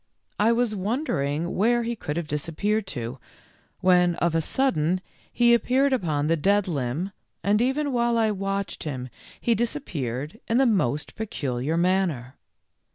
I was wondering where he could have disappeared to, when of a sudden he appeared upon the dead limb, and even while I watched him he dis appeared in the most peculiar manner.